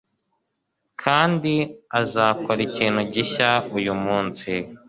Kandi azakora ikintu gishya uyu munsi